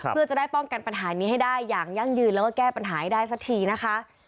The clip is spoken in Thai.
เพื่อจะได้ป้องกันปัญหานี้ให้ได้อย่างยั่งยืนแล้วก็แก้ปัญหาให้ได้สักทีนะคะ